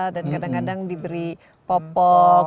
kadang kadang diberi popok